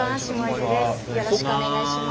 よろしくお願いします。